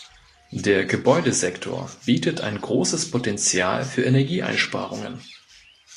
Der Gebäudesektor bietet ein großes Potenzial für Energieeinsparungen.